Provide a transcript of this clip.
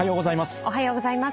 おはようございます。